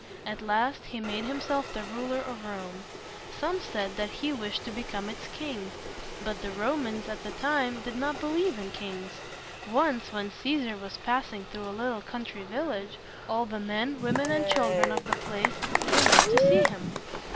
At last he made himself the ruler of Rome. Some said that he wished to become its king. But the Romans at that time did not believe in kings. Once when Cæ sar was passing through a little country village, all the men, women, and children of the place came out to see him.